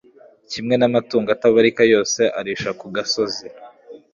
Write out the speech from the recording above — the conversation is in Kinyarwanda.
kimwe n'amatungo atabarika yose arisha ku gasozi